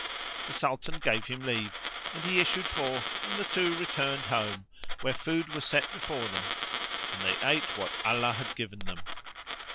The Sultan gave him leave and he issued forth and the two returned home, where food was set before them and they ate what Allah had given them.